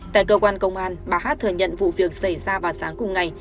tại cơ quan công an bà hát thừa nhận vụ việc xảy ra vào sáng cùng ngày